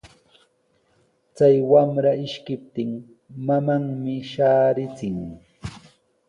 Chay wamra ishkiptin mamanmi shaarichin.